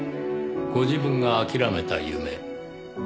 ご自分が諦めた夢。